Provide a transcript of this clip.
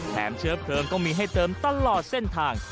เชื้อเพลิงก็มีให้เติมตลอดเส้นทาง